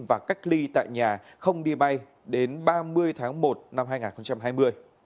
và cách ly tại nhà không đi bay đến ba mươi tháng một năm hai nghìn hai mươi